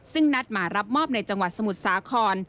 ซึ่งนัดมารับมอบในจังหวัดสมุทรสาคร